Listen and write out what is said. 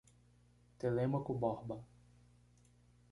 Telêmaco Borba